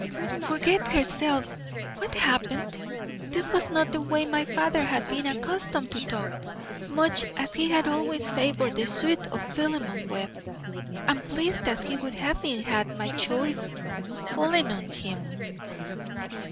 Forget herself! What had happened? This was not the way my father had been accustomed to talk, much as he had always favoured the suit of Philemon Webb, and pleased as he would have been had my choice fallen on him.